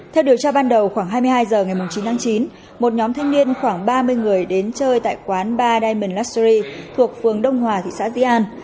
theo điều tra ban đầu khoảng hai mươi hai h ngày chín tháng chín một nhóm thanh niên khoảng ba mươi người đến chơi tại quán ba diamond lashri thuộc phường đông hòa thị xã di an